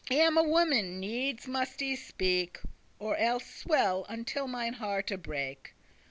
I am a woman, needes must I speak, Or elles swell until mine hearte break.